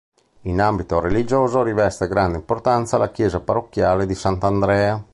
In ambito religioso riveste grande importanza la chiesa parrocchiale di Sant'Andrea.